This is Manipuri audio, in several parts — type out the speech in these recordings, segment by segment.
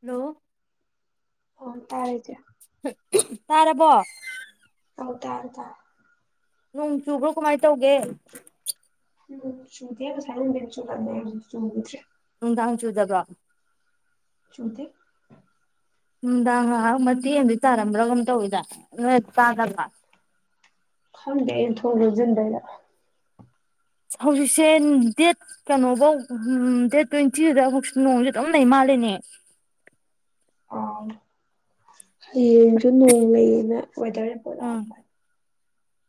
ꯍꯂꯣ ꯑꯥ ꯇꯥꯔꯦ ꯆꯦ ꯇꯥꯔꯕꯣ ꯑꯧ ꯇꯥꯔꯦ ꯇꯥꯔꯦ ꯅꯣꯡ ꯆꯨꯕ꯭ꯔꯣ ꯀꯃꯥꯏꯅ ꯇꯧꯒꯦ ꯎꯝ ꯆꯨꯗꯦ ꯉꯥꯁꯥꯏ ꯅꯨꯡꯗꯤꯟ ꯆꯨꯔꯝꯃꯦ ꯍꯧꯖꯤꯛ ꯆꯨꯒꯤꯗ꯭ꯔꯦ ꯅꯨꯡꯗꯥꯡ ꯆꯨꯗꯕ꯭ꯔ ꯆꯨ ꯗꯦ ꯅꯨꯡꯗꯥꯡ ꯉꯥꯏꯍꯛ ꯃꯇꯦꯛ ꯑꯃꯗꯤ ꯇꯥꯔꯝꯕ꯭ꯔ ꯀꯩꯅꯣꯝ ꯇꯧꯏꯗ ꯅꯣꯏ ꯇꯥꯗꯕ꯭ꯔ ꯈꯪꯗꯦ ꯑꯩꯅ ꯊꯣꯡ ꯂꯣꯟꯖꯟꯕꯩꯔ ꯍꯧꯖꯤꯛꯁꯦ ꯗꯦꯠ ꯀꯩꯅꯣꯐꯧ ꯍꯨꯝ ꯗꯦꯠ ꯇ꯭ꯋꯦꯟꯇꯤ ꯑꯗꯥꯏ ꯐꯥꯎ ꯅꯣꯡꯁ ꯑꯗꯨꯝ ꯂꯩ ꯃꯥꯂꯦꯅꯦ ꯑꯥ ꯍꯌꯦꯡꯁꯨ ꯅꯣꯡ ꯂꯩꯌꯦꯅ ꯋꯦꯗꯔ ꯔꯤꯄꯣꯔꯠ ꯑꯥ ꯂꯥꯛꯑꯝꯕ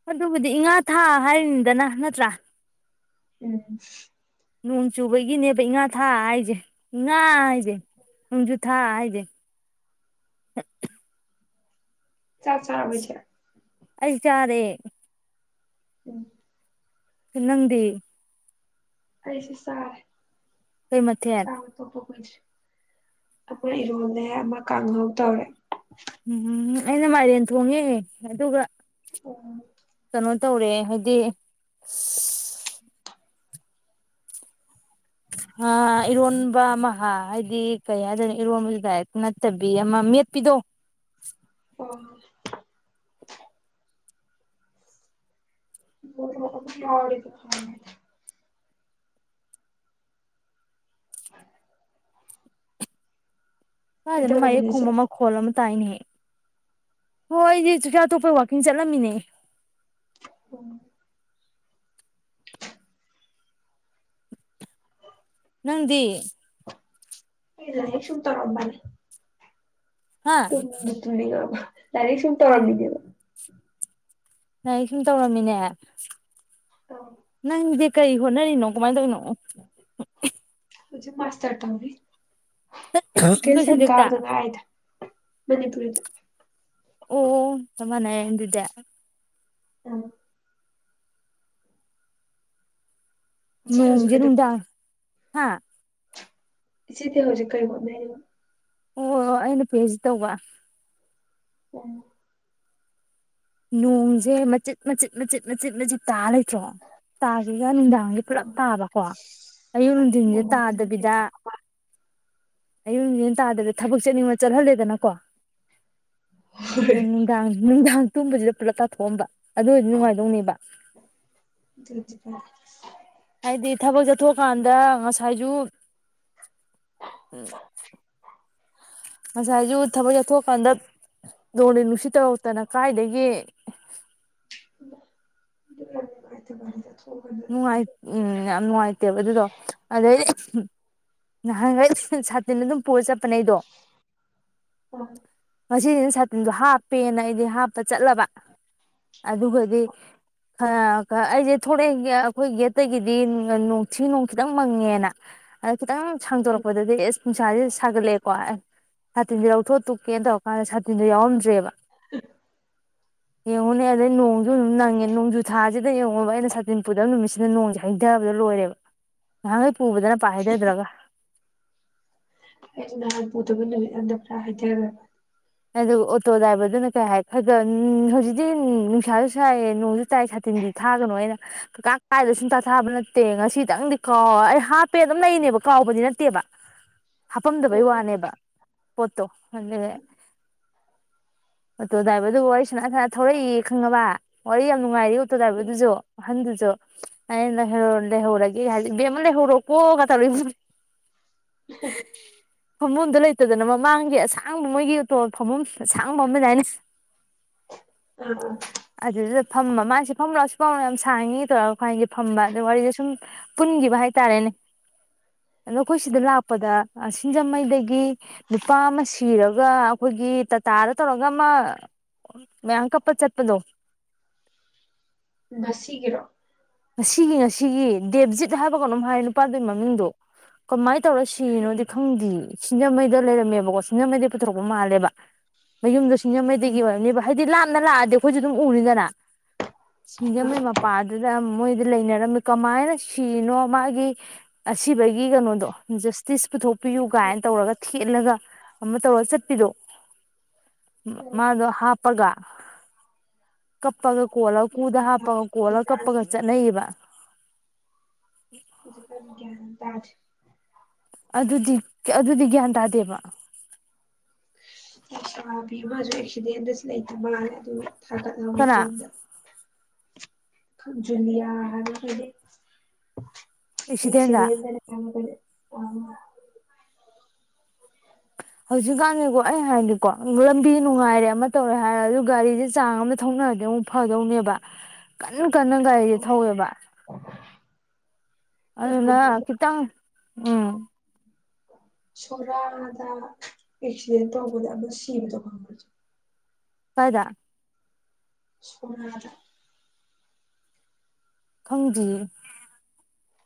ꯑꯗꯨꯕꯨꯗꯤ ꯏꯉꯥ ꯊꯥ ꯍꯥꯏꯔꯤꯅꯤꯗꯅ ꯅꯠꯇ꯭ꯔꯥ ꯎꯝ ꯅꯣꯡ ꯆꯨꯕꯒꯤꯅꯦꯕ ꯏꯥꯉꯥ ꯊꯥ ꯍꯥꯏꯁꯦ ꯏꯉꯥ ꯍꯥꯏꯁꯦ ꯅꯣꯡꯖꯨ ꯊꯥ ꯍꯥꯏꯁꯦ ꯆꯥꯛ ꯆꯥꯔꯕ ꯏꯆꯦ ꯑꯩ ꯆꯔꯦ ꯎꯝ ꯅꯪꯗꯤ ꯑꯩꯁꯨ ꯆꯥꯔꯦ ꯀꯩ ꯃꯊꯦꯟ ꯑꯩꯈꯣꯏ ꯏꯔꯣꯜꯂꯦ ꯑꯃ ꯀꯥꯡꯍꯧ ꯇꯧꯔꯦ ꯎꯝ ꯑꯩꯅ ꯃꯥꯏꯔꯦꯟ ꯊꯣꯡꯉꯦ ꯑꯗꯨꯒ ꯀꯩꯅꯣ [inaudible] ꯇꯧꯔꯦ ꯍꯥꯏꯗꯤ ꯑ ꯏꯔꯣꯟꯕ ꯑꯃ ꯍꯥꯏꯗꯤ ꯀꯩ ꯍꯥꯏꯗꯣꯏꯅꯣ ꯏꯔꯣꯟꯕ ꯕꯁꯨ ꯗꯥꯏꯔꯦꯛꯇꯤ ꯅꯠꯇꯕꯤ ꯑꯃ ꯃꯦꯠꯄꯤꯗꯣ [inaudible] [unintelligible] ꯀꯥꯏꯗꯒꯤꯅꯣ ꯀꯩꯗꯧꯔꯝꯃꯤꯅꯣ ꯃꯥꯥꯏꯌꯦꯞ ꯏꯆꯦ ꯈꯣꯡꯕ ꯃꯈꯣꯜ ꯑꯃ ꯇꯥꯏꯅꯦ ꯍꯣꯏ ꯑꯩꯗꯤ ꯆꯥꯛ ꯆꯥ ꯇꯣꯛꯄꯩ ꯋꯥꯛꯀꯤꯡ ꯆꯠꯂꯝꯃꯤꯅꯦ ꯑꯣ ꯅꯪꯗꯤ ꯑꯩ ꯂꯥꯏꯔꯤꯛ ꯁꯨꯝ ꯇꯧꯔꯝꯕꯅꯤ ꯍꯥ ꯇꯝꯁꯨ ꯇꯨꯝꯅꯤꯡꯉꯛ ꯑꯕ ꯂꯔꯤꯛ ꯁꯨꯝ ꯎꯝ ꯇꯧꯔꯝꯃꯤꯅꯦ ꯂꯥꯏꯔꯤꯛ ꯁꯨꯝ ꯇꯧꯔꯝꯃꯤꯅꯦ ꯑꯧ ꯅꯪꯗꯤ ꯀꯩ ꯍꯣꯠꯅꯔꯤꯅꯣ ꯀꯃꯥꯏ ꯇꯧꯔꯤꯅꯣ [inaudible] ꯍꯧꯖꯤꯛ ꯃꯥꯁꯇꯔ ꯇꯧꯔꯤ ꯁꯀꯦꯟ ꯀꯩ ꯁꯦꯝ ꯁꯕꯖꯦꯛꯇ ꯀꯥꯕꯗꯅ ꯉꯥꯏꯔꯤꯗ ꯃꯅꯤꯄꯨꯔꯤꯗ ꯑꯣ ꯆꯞ ꯃꯥꯟꯅꯔꯦ ꯑꯗꯨꯗꯤ ꯎꯝ ꯏꯆꯦ ꯍꯧꯖꯤꯛ ꯅꯣꯡꯖꯦ ꯀꯩꯗꯧ ꯅꯨꯡꯗꯥꯡ ꯍꯥꯥ ꯆꯦꯗꯤ ꯍꯧꯖꯤꯛ ꯀꯩ ꯍꯣꯠꯅꯔꯤꯕ ꯑꯣ ꯑꯩꯅ ꯄꯤ ꯍꯩꯏ ꯗꯤ ꯇꯧꯕ ꯎꯝ ꯅꯣꯡꯁꯦ ꯃꯆꯤꯠ ꯃꯆꯤꯠ ꯃꯆꯤꯠ ꯃꯆꯤꯠ ꯇꯥꯔ ꯂꯩ ꯅꯠꯇ꯭ꯔꯣ ꯇꯥꯒꯦꯒ ꯅꯨꯡꯗꯥꯡ ꯄꯨꯂꯞ ꯎꯝ ꯇꯥꯕꯀꯣ ꯑꯌꯨꯛ ꯅꯨꯡꯗꯤꯟꯁꯦ ꯑꯍꯤꯡꯒꯨꯝꯕ ꯐꯖꯅ ꯇꯥꯗꯕꯤꯗ ꯑꯌꯨꯛ ꯅꯨꯡꯗꯤꯟ ꯇꯥꯗꯕꯤꯗ ꯊꯕꯛ ꯆꯦꯠꯅꯤꯡꯕ ꯆꯠꯍꯜꯂꯦꯗꯅꯀꯣ ꯅꯨꯡꯗꯥꯡ ꯅꯨꯡꯗꯥꯡ ꯇꯨꯝꯕꯁꯤꯗ ꯄꯨꯂꯞ ꯇꯍꯊꯣꯛꯑꯝꯕ ꯑꯗꯨ ꯑꯣꯏꯔꯗꯤ ꯅꯨꯡꯉꯥꯏꯗꯧ ꯅꯦꯕ ꯍꯥꯏꯗꯤ ꯊꯕꯛ ꯆꯠꯊꯣꯛ ꯑꯀꯥꯟꯗ ꯉꯥꯁꯥꯏꯁꯨ ꯉꯁꯥꯏꯁꯨ ꯊꯕꯛ ꯆꯠꯊꯣꯛꯑꯀꯥꯟꯗ ꯅꯣꯡꯂꯩ ꯅꯨꯡꯁꯤꯠ ꯇꯧꯔꯛꯇꯅ ꯀꯥꯏꯗꯒꯤ [unintelligible] ꯅꯨꯡꯉꯥꯏ ꯎꯝ ꯌꯥꯝ ꯅꯨꯡꯉꯥꯏꯇꯦꯕ ꯑꯗꯨꯗꯣ ꯑꯗꯩꯗꯤ ꯅꯍꯥꯟꯒꯩ ꯁꯥꯇꯤꯟ ꯑꯗꯨꯝ ꯄꯨꯔ ꯆꯠꯄꯅꯦ ꯑꯩꯗꯣ ꯉꯁꯤꯁꯤꯅ ꯁꯥꯇꯤꯟꯗꯣ ꯍꯥꯞꯄꯦꯅ ꯑꯩꯗꯤ ꯍꯥꯞꯄ ꯆꯠꯂꯕ ꯑꯗꯨꯒꯗꯤ ꯍ ꯑꯩꯁꯦ ꯊꯣꯔꯛꯑꯦ [unintelligible] ꯑꯩꯈꯣꯏ ꯒꯦꯠꯇꯒꯤꯗꯤ [unintelligible] ꯊꯤ ꯅꯣꯡ ꯈꯤꯇꯪ ꯃꯪꯉꯦꯅ ꯑꯥ ꯈꯤꯇꯪ ꯁꯥꯡꯗꯣꯔꯛꯄꯗꯗꯤ ꯑꯁ ꯅꯨꯡꯁꯥꯥꯁꯦ ꯁꯥꯒꯠꯂꯛꯑꯦꯀꯣ ꯁꯥꯇꯤꯟꯁꯦ ꯂꯧꯊꯣꯛ ꯇꯨꯀꯦꯅ ꯇꯧꯔꯀꯥꯟꯗ ꯁꯥꯇꯤꯟꯗꯣ ꯌꯥꯎꯔꯝꯗ꯭ꯔꯦꯕ [inaudible] ꯌꯦꯡꯉꯨꯅꯦ ꯑꯗꯩ ꯅꯣꯡꯁꯨ ꯑꯗꯨꯝ ꯅꯪꯉꯦ ꯅꯣꯡꯖꯨ ꯊꯥꯁꯤꯗ ꯌꯦꯡꯉꯨꯕ ꯑꯩꯅ ꯁꯥ ꯇꯤꯟ ꯄꯨꯗꯕ ꯅꯨꯃꯤꯠꯁꯤꯗ ꯅꯣꯡꯁꯦ ꯍꯩꯗꯕꯗ ꯂꯣꯏꯔꯦꯕ ꯅꯍꯥꯟꯈꯩ ꯄꯨꯕꯗꯅ ꯄꯥꯛ ꯍꯩꯗꯗ꯭ꯔꯒ ꯑꯩꯁꯨ ꯅꯍꯥꯟ ꯄꯨꯗꯕ ꯅꯨꯃꯤꯠ ꯍꯟꯗ ꯄꯨꯔꯥ ꯍꯩꯗꯒ꯭ꯔꯕ ꯑꯗꯨ ꯑꯣꯇꯣ ꯗ꯭ꯔꯥꯏꯚꯔꯗꯨꯅ ꯀꯩ ꯍꯥꯏ ꯈꯔꯒ ꯍꯧꯖꯤꯛꯇꯤ ꯅꯨꯡꯁꯥꯁꯨ ꯁꯥꯏꯌꯦ ꯅꯣꯡꯁꯨ ꯆꯥꯏ ꯁꯥꯇꯤꯟꯗꯤ ꯊꯥꯒꯅꯨ ꯑꯩꯅ ꯀꯀꯥ ꯀꯥꯏꯗ ꯁꯨꯛ ꯊꯥꯕ ꯅꯠꯇꯦ ꯉꯁꯤꯇꯪꯗꯤ ꯀꯥꯎ ꯑꯩ ꯍꯥꯞꯄꯦ ꯑꯗꯨꯝ ꯂꯩꯅꯦꯕ ꯀꯥꯎꯕꯗꯤ ꯅꯠꯇꯦꯕ ꯍꯥꯞꯄꯝꯗꯕꯩ ꯋꯥꯅꯦꯕ ꯄꯣꯠꯇꯣ ꯑꯗꯨꯒ ꯑꯣꯇꯣ ꯗ꯭ꯔꯥꯏꯚꯔꯗꯨꯒ ꯋꯥꯔꯤ ꯁꯥꯟꯅ ꯁꯥꯟꯅ ꯊꯧꯔꯛꯏꯑ ꯈꯪꯉꯕ꯭ꯔꯥ ꯋꯥꯔꯤ ꯌꯥꯝ ꯅꯨꯡꯉꯥꯏꯔꯤ ꯑꯣꯇꯣ ꯗ꯭ꯔꯥꯏꯚꯔꯗꯨꯁꯨ ꯑꯍꯟꯗꯨꯁꯨ ꯑꯩꯅ ꯂꯩꯍꯧ ꯂꯩꯍꯧꯔꯒꯦ ꯍꯥꯏꯗꯤ ꯕꯦꯝ ꯑꯃ ꯂꯩꯍꯧꯔꯣꯀꯣ ꯒ ꯇꯧꯔꯛꯏ ꯄꯣꯠꯅꯤ ꯐꯝꯕꯝꯗꯣ ꯂꯩꯇꯗꯅ ꯃꯃꯥꯡꯒꯤ ꯑꯁꯥꯡꯗꯨ ꯃꯣꯏꯒꯤ ꯇꯣꯜ ꯐꯝꯚꯝ ꯑꯁꯥꯡꯕ ꯑꯃ ꯂꯩꯗꯥꯏꯅꯦ [unintelligible] ꯑꯗꯨꯗꯨꯗ ꯐꯝꯕ ꯃꯥꯁꯦ ꯐꯝꯝꯣ ꯁꯤ ꯐꯝꯃꯣ ꯂꯥꯎ ꯌꯥꯝ ꯁꯥꯡꯉꯤ ꯇꯧꯔꯒ ꯑꯈꯩꯏ ꯏꯕꯥꯅꯤꯁꯦ ꯐꯝꯕ ꯑꯗꯨꯒ ꯋꯥꯔꯤꯁꯦ ꯁꯨꯝ ꯄꯨꯟꯈꯤꯕ ꯍꯥꯏꯇꯥꯔꯦꯅꯦ ꯑꯗꯣ ꯑꯩꯈꯣꯏ ꯁꯤꯗ ꯂꯥꯛꯄꯗ ꯑ ꯁꯤꯡꯖꯃꯩꯗꯒꯤ ꯅꯨꯄꯥ ꯑꯃ ꯁꯤꯔꯒ ꯑꯩꯈꯣꯏꯒꯤ ꯇꯥꯇꯥꯗ ꯇꯧꯔꯒ ꯑꯃ ꯃꯌꯥꯝ ꯀꯞꯄ ꯆꯠꯄꯗꯣ ꯉꯁꯤꯒꯤꯔꯣ ꯉꯁꯤꯒꯤ ꯉꯁꯤꯒꯤ ꯗꯦꯕꯖꯤꯠ ꯍꯥꯏꯕ꯭ ꯀꯩꯅꯣꯝ ꯍꯥꯏ ꯅꯨꯄꯥꯗꯨꯒꯤ ꯃꯃꯤꯡꯗꯨꯣ ꯀꯃꯥꯏ ꯇꯧꯔ ꯁꯤꯔꯤꯅꯣꯗꯤ ꯈꯪꯗꯤꯌꯦ ꯁꯤꯡꯖꯃꯩꯗ ꯂꯩꯔꯝꯃꯦꯕꯀꯣ ꯁꯤꯡꯖꯃꯩꯗꯩ ꯄꯨꯊꯣꯔꯛꯄ ꯃꯥꯜꯂꯦꯕ ꯃꯌꯨꯝꯗꯣ ꯁꯤꯡꯖꯃꯩꯗꯒꯤ ꯑꯣꯏꯔꯝꯅꯤꯕ ꯍꯥꯏꯗꯤ ꯂꯥꯞꯅ ꯂꯥꯛꯑꯗꯤ ꯑꯩꯈꯣꯏꯁꯨ ꯑꯗꯨꯝ ꯎꯅꯤꯗꯅ ꯁꯤꯖꯥꯡꯃꯩ ꯃꯄꯥꯥ ꯑꯗꯨꯗ ꯑꯝ ꯃꯣꯏꯗꯤ ꯂꯩꯅꯔꯝꯃꯤ ꯀꯃꯥꯏꯅ ꯁꯤꯔꯤꯅꯣ ꯃꯥꯒꯤ ꯑꯁꯤꯕꯒꯤ ꯀꯩꯅꯣꯗꯣ ꯖꯁꯇꯤꯁ ꯄꯨꯊꯣꯛꯄꯤꯌꯨ ꯀꯥꯏꯅ ꯇꯧꯔꯒ ꯊꯦꯠꯂꯒ ꯑꯃ ꯇꯧꯔ ꯑꯃ ꯆꯠꯄꯤꯗꯣ ꯃꯥꯗꯨ ꯍꯥꯞ ꯄꯒ ꯀꯞ ꯄꯒ ꯀꯣꯂ ꯀꯨꯗꯥ ꯍꯥꯄꯒ ꯀꯣꯂ ꯀꯞꯄꯒ ꯀꯞꯄꯒ ꯂꯩꯕ ꯍꯨꯖꯤꯛꯀꯥꯟ ꯒ꯭ꯌꯥꯟ ꯇꯥꯗ꯭ꯔꯦ ꯑꯗꯨꯗꯤ ꯑꯗꯨꯗꯤ ꯒ꯭ꯌꯥꯟ ꯇꯥꯗꯦꯕ ꯂꯩꯁꯥꯕꯤ ꯑꯃꯁꯨ ꯑꯦꯛꯁꯤꯗꯦꯟꯗ ꯂꯩꯇ ꯃꯥꯜꯂꯦ ꯑꯗꯨꯒ ꯊꯥꯒꯠꯍꯧꯋꯦ ꯀꯅꯥ ꯐꯣꯟꯗ ꯈꯪ ꯖꯨꯜꯂꯤꯌꯥ ꯍꯥꯏꯕ꯭ꯔꯥ ꯀꯩꯅꯣ ꯑꯦꯛꯁꯤꯗꯦꯟꯗ ꯑꯦꯛꯁꯤꯗꯦꯟ ꯗꯅꯦ ꯍꯥꯏꯕ꯭ꯔꯥ ꯀꯩꯅꯣ ꯑꯣ ꯍꯧꯖꯤꯛꯀꯥꯟꯗꯤꯀꯣ ꯑꯩ ꯍꯥꯏꯗꯤꯀꯣ ꯂꯝꯕꯤ ꯅꯨꯡꯉꯥꯏꯔꯦ ꯑꯃ ꯇꯧꯔꯦ ꯍꯥꯏꯔꯁꯨ ꯒꯥꯔꯤꯁꯦ ꯆꯥꯡ ꯑꯃꯗ ꯊꯧꯅꯔꯗꯤ ꯑꯃꯨꯛ ꯐꯗꯧꯅꯦꯕ ꯀꯟꯅ ꯑꯗꯨꯒ ꯅꯪ ꯒꯥꯔꯤꯁꯦ ꯊꯧꯔꯕ ꯑꯗꯨꯅ ꯅꯍꯥꯟꯁꯨ ꯑꯃ ꯈꯤꯇꯪ ꯎꯝ ꯁꯦꯔꯗ ꯑꯦꯁꯤꯗꯦꯟꯠ ꯇꯧꯕꯗ ꯑꯃꯥ ꯁꯤꯕꯗꯣ ꯈꯪꯕꯔ ꯏꯆꯦ ꯀꯥꯏꯗ ꯁꯨꯃ꯭ꯔꯗ ꯈꯪꯗꯤꯌꯦ [inaudible]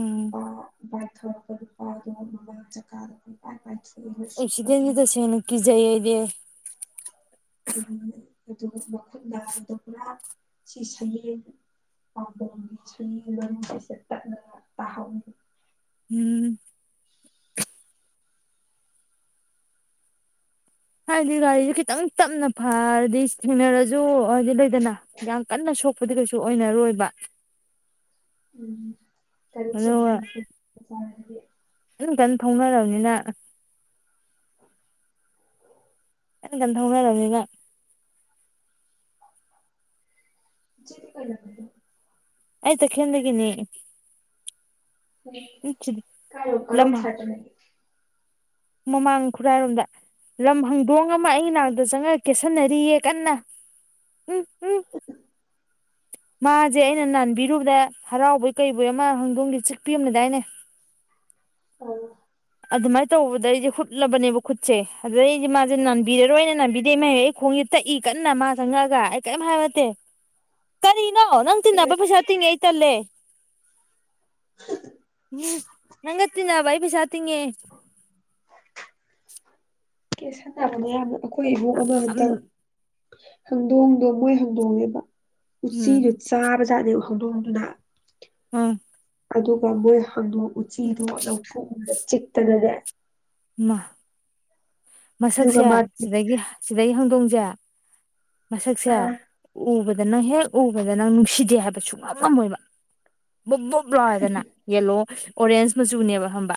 ꯎꯝ ꯕꯥ ꯕꯥꯏꯄ ꯊꯧꯔꯛꯄ ꯅꯨꯄꯥꯗꯣ ꯃꯃꯥꯡ ꯆꯀꯥꯗ ꯄꯨꯄꯥꯏ ꯄꯥꯏꯊꯣꯛ ꯑꯦꯛꯁꯤꯗꯦꯟꯗꯤ ꯇꯁꯦꯡꯅ ꯀꯤꯖꯩꯌꯦ ꯑꯩꯗꯤ ꯎꯝ ꯎꯝ ꯑꯗꯨꯒ ꯃꯈꯨꯟ ꯅꯃꯗꯣ ꯄꯨꯔꯥ ꯁꯤ ꯁꯌꯦꯡ ꯄꯥꯝꯕꯣꯝꯒꯤ ꯁꯌꯦꯡ ꯂꯣꯏꯅꯕꯁꯦ ꯇꯠꯂꯒ ꯇꯥꯍꯧꯔꯤ ꯎꯝ ꯍꯥꯏꯗꯤ ꯒꯥꯔꯤꯁꯦ ꯈꯤꯇꯪ ꯇꯞꯅ ꯐꯔꯗꯤ ꯊꯦꯡꯅꯔꯁꯨ ꯍꯥꯏꯗꯤ ꯂꯩꯗꯅ ꯌꯥꯝ ꯀꯟꯅ ꯁꯣꯛꯄꯗꯤ ꯀꯩꯁꯨ ꯑꯣꯏꯅꯔꯣꯏꯕ [inaudible] ꯑꯗꯨꯒ [unintelligible] ꯀꯟ ꯀꯟ ꯊꯧꯅꯔꯝꯅꯤꯅ ꯑꯩꯅ ꯀꯟ ꯊꯧꯅꯔꯕꯅꯤꯅ ꯏꯆꯦꯗꯤ ꯀꯩ ꯂꯝꯗꯣꯏꯅꯣ ꯑꯩ ꯇꯈꯦꯟꯗꯒꯤꯅꯦ ꯑꯩꯗꯤ- [inaudible] ꯃꯃꯥꯡ ꯈꯨꯔꯥꯏꯔꯣꯝꯗ ꯂꯝ ꯍꯪ ꯂꯣꯡ ꯑꯃ ꯑꯩꯩ ꯅꯥꯔꯗ ꯆꯪꯉꯦ ꯀꯦꯁꯟꯅꯔꯤꯌꯦ ꯀꯟꯅ ꯎꯝ ꯎꯝ ꯃꯥꯖꯦ ꯑꯩꯅ ꯅꯥꯟꯕꯤꯔꯨꯕꯗꯩ ꯍꯔꯥꯎꯕꯣꯏ ꯀꯩꯕꯣꯏ ꯑꯃ ꯍꯪꯗꯣꯡꯒꯤ ꯆꯤꯛꯄꯤ ꯑꯝ ꯂꯩꯗꯥꯏꯅꯦ ꯑꯥ ꯑꯗꯨꯃꯥꯏ ꯇꯧꯋꯥꯠ ꯗꯩꯗꯤ ꯍꯨꯠꯂꯕꯅꯦꯕ ꯈꯨꯠꯁꯦ ꯑꯗꯨꯗꯩꯗꯤ ꯃꯥꯁꯦ ꯅꯥꯟꯕꯤꯔꯔꯣꯏꯅ ꯅꯥꯟꯕꯤꯗꯦ ꯃ ꯑꯩ ꯈꯣꯡꯁꯤꯗ ꯇꯛꯏ ꯀꯟꯅ ꯃꯥ ꯆꯪꯉꯛꯑꯒ ꯑꯩ ꯀꯦꯝ ꯍꯥꯏꯕ ꯅꯠꯇꯦ ꯀꯔꯤ- ꯅꯣ ꯅꯪ ꯇꯤꯟꯅꯥꯕ ꯄꯩꯁꯥ ꯇꯤꯡꯉꯦ ꯑꯩ ꯇꯟꯂꯦ ꯅꯪꯒ ꯇꯤꯟꯅꯕ ꯄꯩꯁꯥ ꯇꯤꯡꯉꯦ [inaudible] ꯀꯦꯁꯟꯅꯕꯅ ꯌꯥꯔꯣꯏ ꯑꯩꯈꯣꯏ ꯏꯕꯨꯡ ꯑꯃ ꯎꯝ ꯍꯟꯇꯛ ꯍꯪꯗꯣꯡꯗꯣ ꯃꯣꯏ ꯍꯥꯡꯗꯣꯡꯅꯦꯕ ꯎꯝ ꯎꯆꯤꯗꯣ ꯆꯥꯕꯖꯥꯅꯦꯕ [unintelligible] ꯎꯝ ꯑꯗꯨꯒ ꯃꯣꯏ ꯍꯪꯗꯣꯡ ꯎꯆꯤꯗꯨ ꯂꯧꯊꯣꯛꯎꯕ ꯆꯤꯛꯇꯅꯅꯦ ꯃꯥ ꯑꯗꯨꯒ ꯃꯁꯛꯁꯦ ꯃꯥ ꯁꯤꯗꯒꯤ ꯁꯤꯗꯒꯤ ꯍꯧꯗꯣꯡ ꯌꯥ ꯃꯁꯛꯁꯦ ꯎꯕꯗ ꯑꯗ ꯅꯪ ꯍꯦꯛ ꯎꯕꯗ ꯅꯪ ꯅꯨꯡꯁꯤꯗꯦ ꯍꯥꯏꯕ ꯁꯨꯡ ꯉꯝꯂꯝꯝꯃꯣꯏꯕ ꯕꯨꯛ ꯕꯨꯛ ꯂꯥꯎꯋꯦꯗꯅ ꯌꯦꯂꯣ ꯑꯣꯔꯦꯟꯖ ꯃꯆꯨꯅꯦꯕ ꯈꯪꯕ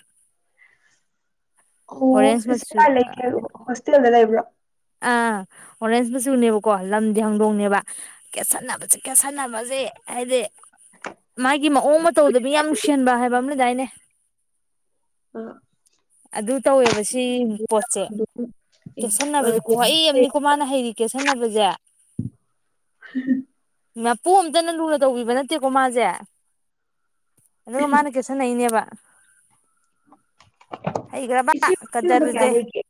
ꯑꯣ ꯏ ꯀꯥꯏ ꯂꯩꯒꯦ ꯍꯥꯢꯔꯛ ꯑꯣꯕꯥ ꯍꯣꯁꯇꯦꯜꯗ ꯂꯩꯕ꯭ꯔꯣ ꯑ ꯑꯣꯔꯦꯟꯖ ꯃꯆꯨꯅꯦꯕꯀꯣ ꯂꯝꯗꯤ ꯍꯧꯥꯡꯗꯣꯡꯅꯦꯕ ꯀꯦꯁꯟꯅꯕꯁꯤ ꯀꯦꯠꯁꯟꯅꯕꯁꯤ ꯍꯥꯏꯗꯤ ꯃꯥꯒꯤ ꯃꯑꯣꯡ ꯃꯇꯧꯗꯕꯤ ꯌꯥꯝ ꯅꯨꯡꯁꯤꯟꯕ ꯍꯥꯏꯕ ꯑꯃꯗꯥꯏꯅꯦ ꯑꯗꯨ ꯇꯧꯋꯦꯕ ꯁꯤ ꯄꯣꯠꯁꯦ ꯀꯦꯠꯁꯟꯅꯕꯁꯦ ꯈꯨꯍꯩ ꯑꯃꯅꯤꯅꯤꯀꯣ ꯃꯥꯅ ꯍꯩꯔꯤ ꯀꯦꯠꯁꯟꯅꯕꯁꯦ ꯃꯄꯨ ꯑꯝꯇꯅ ꯂꯨꯅ ꯇꯧꯕꯤꯕ ꯅꯠꯇꯦꯀꯣ ꯃꯥꯁꯦ ꯑꯗꯨꯒ ꯃꯥꯅ ꯀꯦꯁꯟꯅꯩꯅꯦꯕ ꯍꯩꯒ꯭ꯔꯕ ꯏꯆꯦ ꯍꯣꯁꯇꯦꯜ ꯅꯝꯕꯔ ꯀꯌꯥ ꯀꯗꯔꯗꯤ ꯂꯩꯒꯦ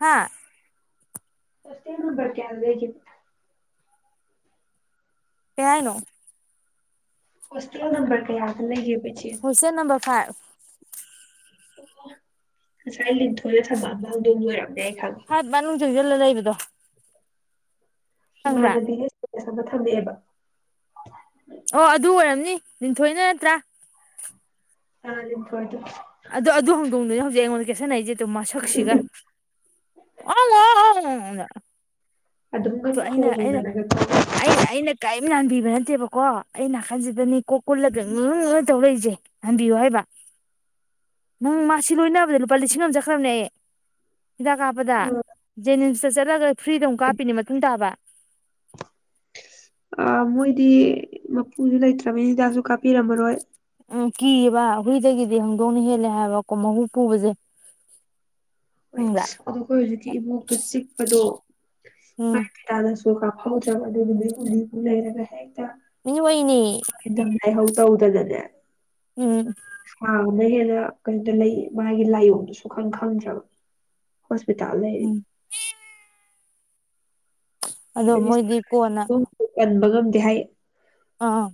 ꯍꯥ ꯍꯣꯁꯇꯦꯜ ꯅꯝꯕ꯭ꯔ ꯀꯌꯥꯗ ꯂꯩꯒꯦ ꯀꯩ ꯍꯥꯏꯅꯣ ꯍꯣꯁꯇꯦꯜ ꯅꯝꯕꯔ ꯀꯥꯌꯥꯗ ꯂꯩ ꯍꯣꯁꯇꯦꯜ ꯅꯝꯕꯔ ꯐꯥꯏꯚ ꯑꯣ ꯉꯁꯥꯏ ꯂꯤꯟꯊꯣꯏꯅ ꯊꯝꯃꯛꯑꯝꯕ ꯍꯧꯗꯣꯡ ꯄꯣꯏꯔ ꯍꯥꯠ ꯃꯅꯨꯡꯖꯨꯖꯨ ꯂꯩ ꯏꯕꯗꯣ ꯏꯃꯥꯟꯅꯕꯤꯒ ꯑꯁꯣꯝꯗ ꯊꯝꯃꯛ ꯑꯦꯕ ꯑꯣ ꯑꯗꯨ ꯑꯣꯏꯔꯝꯅꯤ ꯅꯤꯡꯊꯣꯏꯅ ꯅꯠꯇ꯭ꯔꯥ ꯑ ꯂꯤꯟꯊꯣꯏ ꯗꯣ ꯅ ꯍꯧꯖꯤꯛ ꯑꯩꯉꯣꯟꯗ ꯀꯩꯁꯟꯅꯩꯁꯦ ꯃꯁꯛꯁꯤꯒ ꯑꯎꯑꯎꯎꯎ ꯑꯅ ꯑꯗꯨꯝꯒ ꯈꯣꯡꯗꯅꯒ ꯇꯧ ꯑꯩꯅ ꯑꯩꯅ ꯀꯔꯤꯝ ꯂꯥꯟꯕꯤꯕ ꯅꯠꯇꯦꯕꯀꯣ ꯑꯩ ꯅꯥꯀꯟꯁꯤꯗꯅꯤ ꯀꯣ ꯀꯨꯟꯂꯒ ꯉꯨ ꯉꯨꯉꯨ ꯇꯧꯔꯛꯏꯁꯦ ꯅꯟꯕꯤꯌꯨ ꯍꯥꯏꯕ ꯅꯪ ꯃꯥꯁꯤ ꯂꯣꯏꯅꯕꯗ ꯂꯨꯄꯥ ꯂꯤꯁꯤꯡ ꯑꯃ ꯆꯠꯈ꯭ꯔꯕꯅꯦ ꯍꯤꯗꯥꯛ ꯀꯥꯞꯄꯗ ꯖꯦꯅꯤꯝꯁ ꯆꯠꯂꯒ ꯐ꯭ꯔꯤꯗ ꯑꯃꯨꯛ ꯀꯞꯄꯤꯅꯤ ꯃꯇꯨꯡ ꯇꯥꯕ ꯑ ꯃꯣꯏꯗꯤ ꯃꯄꯨꯖꯨ ꯂꯩꯇ꯭ꯔꯃꯤꯅ ꯍꯤꯗꯥꯛꯁꯨ ꯀꯥꯞꯄꯤꯔꯝꯃꯔꯣꯏ ꯎꯝ ꯀꯤꯌꯦꯕ ꯍꯨꯏꯗꯒꯤꯗꯤ ꯍꯪꯗꯣꯡꯅ ꯍꯦꯜꯂꯦ ꯍꯥꯏꯕꯀꯣ ꯃꯍꯨ ꯄꯨꯕꯁꯦ ꯍꯣꯏ ꯈꯪꯕ꯭ꯔꯥ ꯑꯗꯣ ꯑꯩꯈꯣꯏ ꯍꯧꯖꯤꯛꯀꯤ ꯏꯃꯣꯛꯇꯣ ꯆꯤꯛꯄꯗꯣ ꯎꯝ ꯃꯥꯦ ꯇꯥꯗ [unintelligible] ꯀꯥꯞꯐꯧꯗꯔꯕ ꯑꯗꯣ ꯅꯨꯃꯤꯠ ꯍꯨꯝꯅꯤꯃꯨꯛ ꯂꯩꯔꯒ ꯍꯦꯛ ꯃꯤꯑꯣꯏꯅꯤ ꯂꯥꯏꯍꯧ ꯇꯧꯗꯅꯅꯦ ꯎꯝ ꯁꯥꯡꯕꯅ ꯍꯦꯟꯅ ꯀꯔꯤ ꯂꯩ ꯃꯥꯒꯤ ꯂꯥꯏꯑꯣꯡꯗꯨꯁꯨ ꯈꯪ ꯈꯪꯗ꯭ꯔꯕ ꯍꯣꯁꯄꯤꯇꯥꯜ ꯂꯩ ꯎꯝ ꯑꯗꯣ ꯃꯣꯏꯗꯤ ꯀꯣꯟꯅ ꯒꯝꯗꯤ ꯍꯥꯏ [unintelligible] ꯑꯥ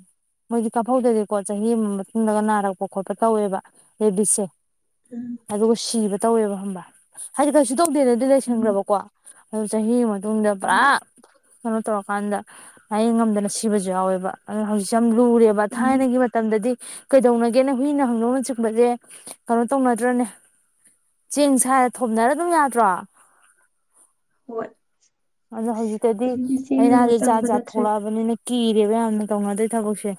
ꯃꯣꯏꯗꯤ ꯀꯥꯞꯍꯧꯗꯗꯤꯀꯣ ꯆꯍꯤ ꯑꯃ ꯃꯇꯨꯡꯗꯒ ꯅꯥꯔꯛꯄ ꯈꯣꯠꯄ ꯇꯧꯋꯦꯕ ꯔꯦꯕꯤꯁꯁꯦ ꯎꯝ ꯑꯗꯨꯒ ꯁꯤꯕ ꯇꯧꯋꯦꯕ ꯈꯪꯕ ꯍꯥꯏꯗꯤ ꯀꯩꯁꯨ ꯇꯧꯗꯦꯗꯗꯤ ꯎꯝ ꯂꯩꯁꯟꯒꯔꯥꯕꯀꯣ ꯑꯗꯨꯒ ꯆꯍꯤ ꯑꯃ [unintelligible] ꯇꯨꯡꯗꯕꯥ ꯍꯣꯏ ꯀꯩꯅꯣ ꯇꯧꯔꯀꯥꯟꯗ ꯂꯌꯦꯡꯕ ꯉꯝꯗꯅ ꯁꯤꯕꯖꯨ ꯌꯥꯎꯋꯦꯕ ꯑ ꯍꯧꯖꯤꯛ ꯁꯦ ꯌꯥꯝ ꯂꯨꯏ ꯂꯨꯔꯦꯕ ꯎꯝ ꯊꯥꯏꯅꯒꯤ ꯃꯇꯝꯗꯗꯤ ꯀꯩꯗꯧꯅꯒꯦꯅꯦ ꯍꯨꯏꯅ ꯍꯧꯗꯣꯡꯅ ꯆꯤꯛꯄꯖꯦ ꯀꯩꯅꯣ ꯇꯧꯅꯗ꯭ꯔꯅꯦ ꯆꯦꯡ ꯁꯥꯏꯔ ꯊꯣꯝꯅꯔ ꯑꯗꯨꯝ ꯌꯥꯗ꯭ꯔꯣ ꯍꯣꯏ ꯑꯗꯣ ꯍꯧꯖꯤꯛꯇꯗꯤ ꯑꯗꯨꯗꯤ ꯆꯦꯜꯂꯒ ꯂꯥꯏꯅꯥꯁꯦ ꯖꯥꯠ ꯆꯪꯕ ꯖꯥꯠ ꯅꯠꯇ꯭ꯔꯦ ꯊꯣꯛꯂꯛꯑꯕꯅꯤꯅ ꯀꯤ ꯌꯥꯝꯅ ꯇꯧꯅꯣꯏ ꯊꯕꯛꯁꯦ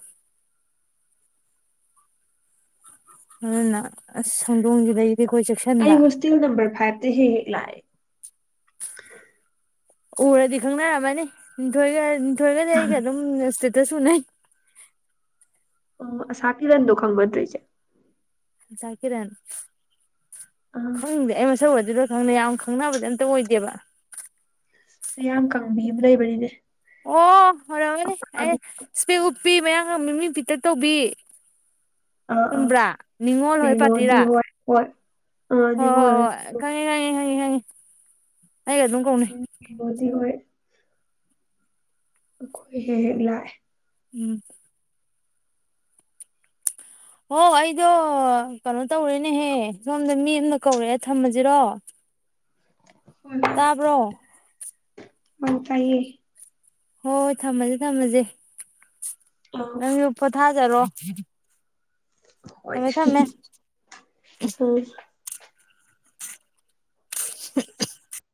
ꯑꯗꯨꯅ ꯑꯁ ꯍꯧꯗꯣꯡꯖꯤꯗꯩ ꯑꯩ ꯍꯣꯁꯇꯦꯜ ꯅꯝꯕꯝꯕꯔ ꯐꯥꯞ ꯇ ꯍꯦꯛ ꯍꯦꯛ ꯂꯛꯑꯦ ꯎꯔꯗꯤ ꯈꯪꯅꯔꯝꯃꯅꯤ ꯂꯤꯟꯊꯣꯏꯒ ꯊꯣꯏꯔꯒꯗꯤ ꯑꯩꯒ ꯑꯗꯨꯝ ꯁꯇꯦ ꯇꯁꯨꯁꯨ ꯅ [unintelligible] ꯎꯝ ꯑꯁꯥꯀꯤꯔꯟꯗꯣ ꯈꯪꯕ ꯅꯠꯇ꯭ꯔꯣ ꯆꯦ ꯑꯁꯥꯀꯤꯔꯟ ꯑꯥ ꯈꯪꯗꯦ ꯑꯗꯨ ꯑꯣꯏꯗꯣꯏꯔ ꯈꯪꯗꯦ ꯌꯥꯝ ꯈꯪꯅꯕꯗꯤ ꯑꯝꯇ ꯑꯣꯏꯗꯦꯕ ꯃꯌꯥꯝ ꯀꯪꯕꯤ ꯑꯃ ꯂꯩꯕꯅꯤꯅꯦ ꯑꯣ ꯍꯔꯃꯅꯤ ꯑꯩ ꯑꯄꯥꯕꯤ ꯏꯁꯄꯦꯛ ꯅꯨꯄꯤ ꯃꯌꯥꯡ ꯀꯪꯕꯤ ꯃꯤ ꯄꯤꯠꯇ ꯇꯧꯕꯤ ꯑꯥ ꯑꯥ ꯆꯨꯝꯕ꯭ꯔꯥ ꯅꯤꯡꯉꯣꯜ ꯍꯣꯏ ꯃꯦꯂꯣꯗꯤ ꯄꯥꯇꯤꯔꯥ ꯍꯣꯏ ꯍꯣꯏ ꯑꯥ ꯍꯣ ꯍꯣ ꯅꯤꯉꯣꯜ ꯍꯣꯏ ꯈꯪꯉꯦ ꯈꯪꯉꯦ ꯈꯪꯉꯦ ꯈꯪꯉꯦ ꯑꯩꯒ ꯑꯗꯨꯝ ꯀꯧꯅꯩ ꯗꯤ ꯑꯣꯏ ꯑꯩꯈꯣꯏ ꯍꯦꯛ ꯍꯦꯛ ꯂꯥꯛꯑꯦ ꯎꯝ ꯍꯣ ꯑꯩꯗꯣ ꯀꯩꯅꯣ ꯇꯧꯔꯦꯅꯦꯍꯦ ꯁꯣꯝꯗ ꯃꯤ ꯑꯝꯅ ꯀꯧꯔꯛꯑꯦ ꯊꯝꯃꯖꯤꯔꯣ ꯇꯥꯕ꯭ꯔꯣ ꯎꯝ ꯇꯥꯏꯌꯦ ꯍꯣꯍꯣꯏ ꯊꯝꯃꯖꯦ ꯊꯝꯃꯖꯦ ꯑꯥ ꯅꯪꯖꯨ ꯄꯣꯊꯥ ꯖꯔꯣ ꯍꯣꯏ ꯊꯝꯃꯦ ꯊꯝꯃꯦ ꯎꯝ [unintelligible]